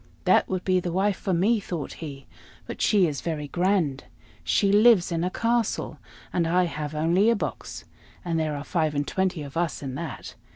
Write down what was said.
"That would be the wife for me," thought he; "but she is very grand. She lives in a castle, and I have only a box, and there are five and twenty of us in that.